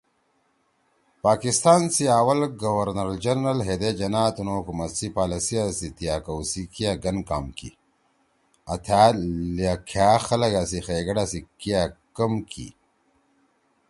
پاکستان سی اول گورنر جنرل ہیدے جناح تُنُو حکومت سی پالیسیآ سی تیا کؤ سی کیا گن کام کی آں تھأ لَکھأ خلگا سی خیئگڑا سی کیا کم کی کامیک یأمینے سے ہندوستان سی تقسیم ما پأش بھارت ما پاکستان گے اَئی شی دا